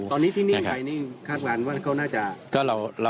ตอนนี้ที่นิ่งไปนี่คาดการณ์ว่าเขาน่าจะ